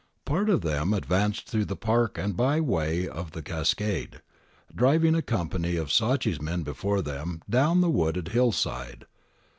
Part of them advanced through the park and by way of the cascade, driving a company of Sacchi's men before them down the wooded hill side.